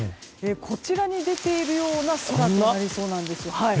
こちらに出ているような空となりそうなんですよ。